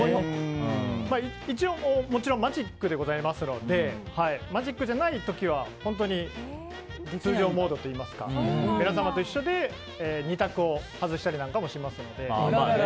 一応、もちろんマジックでございますのでマジックじゃない時は通常モードといいますか皆様と一緒で、２択を外したりなんかもしますので。